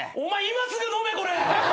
今すぐ飲めこれ！